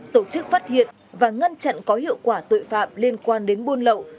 tổ chức phát hiện và ngăn chặn có hiệu quả tội phạm liên quan đến buôn lậu